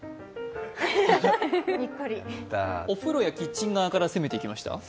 お風呂やキッチン側から攻めていきました？